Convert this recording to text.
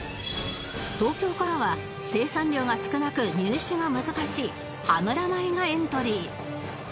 東京からは生産量が少なく入手が難しい羽村米がエントリー